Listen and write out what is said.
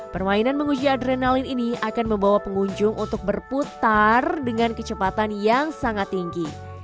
permainan menguji adrenalin ini akan membawa pengunjung untuk berputar dengan kecepatan yang sangat tinggi